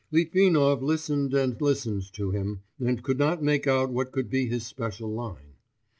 Litvinov listened and listened to him, and could not make out what could be his special line.